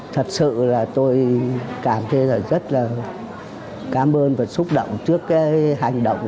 thật sự là tôi cảm thấy là rất là cảm ơn và xúc động trước cái hành động